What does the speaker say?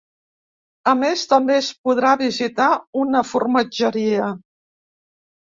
A més, també es podrà visitar una formatgeria.